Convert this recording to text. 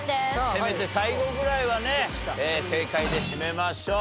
せめて最後ぐらいはね正解で締めましょう。